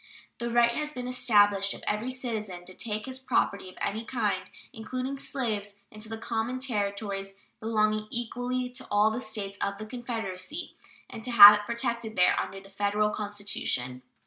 The right has been established of every citizen to take his property of any kind, including slaves, into the common Territories belonging equally to all the States of the Confederacy, and to have it protected there under the Federal Constitution.